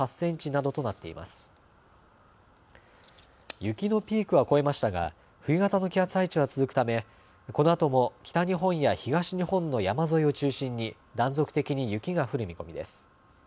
雪のピークは越えましたが冬型の気圧配置は続くためこのあとも北日本や東日本の山沿いを中心に断続的に雪が降る見込みです。